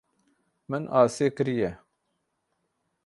Min asê kiriye.